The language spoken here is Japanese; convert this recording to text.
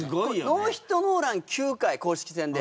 ノーヒットノーラン９回公式戦で。